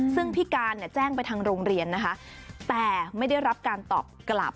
ซึ่งพี่การเนี่ยแจ้งไปทางโรงเรียนนะคะแต่ไม่ได้รับการตอบกลับ